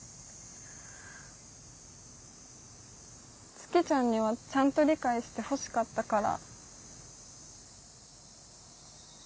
月ちゃんにはちゃんと理解してほしかったから。